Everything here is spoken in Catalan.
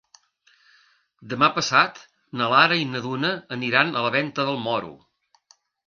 Demà passat na Lara i na Duna aniran a Venta del Moro.